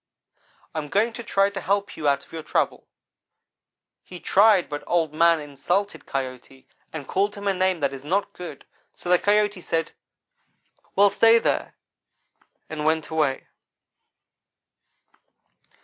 I am going to try to help you out of your trouble.' He tried but Old man insulted Coyote. and called him a name that is not good, so the Coyote said, 'Well, stay there,' and went away.